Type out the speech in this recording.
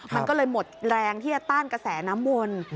มันก็เลยหมดแรงที่จะต้านกระแสน้ำวน